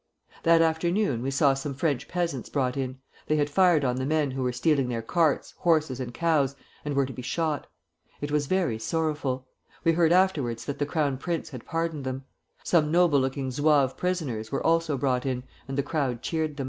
"That afternoon we saw some French peasants brought in; they had fired on the men who were stealing their carts, horses, and cows, and were to be shot. It was very sorrowful. We heard afterwards that the Crown Prince had pardoned them. Some noble looking Zouave prisoners were also brought in, and the crowd cheered them.